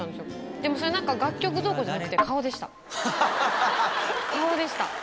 でもそれ、なんか楽曲どうこうじゃなくて顔でした。